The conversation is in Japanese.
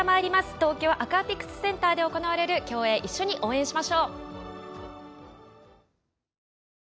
東京アクアティクスセンターで行われる競泳を一緒に応援しましょう。